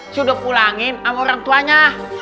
sudah pulangin sama orang tuanya